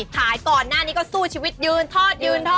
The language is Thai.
ขายก่อนหน้านี้ก็สู้ชีวิตยืนทอดยืนทอด